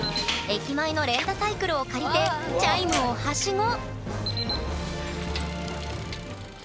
駅前のレンタサイクルを借りてチャイムをはしご！